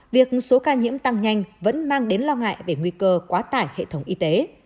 việc số ca nhiễm tăng nhanh vẫn mang đến lo ngại về nguy cơ quá tải hệ thống y tế